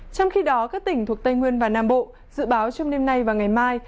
trong khi đó các tỉnh thuộc tây nguyên và nam bộ dự báo trong đêm nay và ngày mai